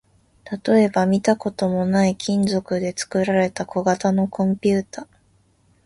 例えば、見たこともない金属で作られた小型のコンピュータ